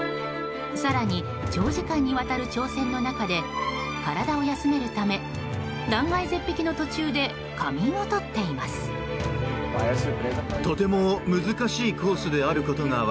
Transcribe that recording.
更に、長時間にわたる挑戦の中で体を休めるため断崖絶壁の途中で仮眠をとっています。